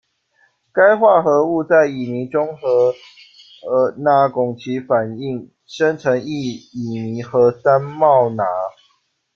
该化合物在乙醚中和钠汞齐反应，生成一乙醚合三茂镎。